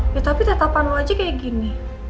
ya tapi tetapan lo aja kayak gini